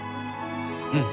うん。